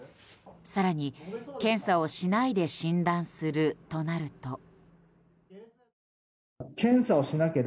更に検査をしないで診断するとなると。